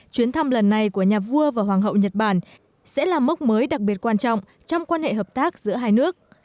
chuyến thăm lần này của nhà vua và hoàng hậu nhật bản sẽ là mốc mới đặc biệt quan trọng trong quan hệ hợp tác giữa hai nước